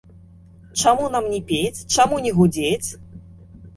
Чаму нам не пець, чаму не гудзець?!